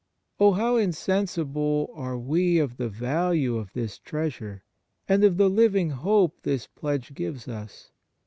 Oh, how insensible are we of the value of this treasure, and of the living hope this pledge gives us